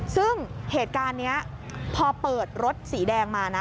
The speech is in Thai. ซึ่งเหตุการณ์นี้พอเปิดรถสีแดงมานะ